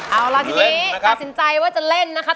เอาล่ะทีนี้ตัดสินใจว่าจะเล่นนะครับ